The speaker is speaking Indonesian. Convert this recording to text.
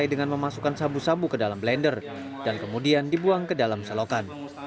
dengan memasukkan sabu sabu ke dalam blender dan kemudian dibuang ke dalam selokan